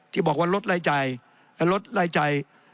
ที่บอกว่าลดรายจ่าย